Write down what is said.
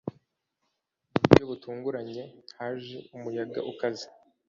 Mu buryo butunguranye, haje umuyaga ukaze.